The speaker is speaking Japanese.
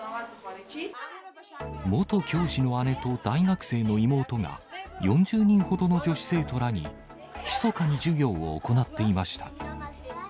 元教師の姉と大学生の妹が、４０人ほどの女子生徒らに、ひそかに授業を行っていました。